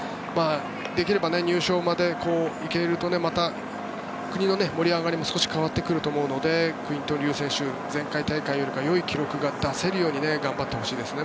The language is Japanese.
できれば入賞までいけるとまた国の盛り上がりも変わってくると思うのでクェンティン・リュー前回大会よりいい記録が出せるように頑張ってほしいですね。